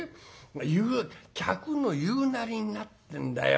言う客の言うなりになれってんだよ。